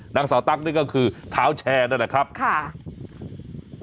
นางสาวตั๊กนี่ก็คือเท้าแชร์นั่นแหละครับค่ะ